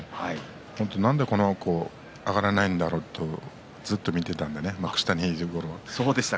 本当に、なんでこの子上がれないんだろうとずっと見ていたので幕下にいるころは。